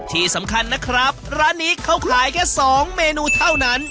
ที่สำคัญนะครับร้านนี้เขาขายแค่๒เมนูเท่านั้น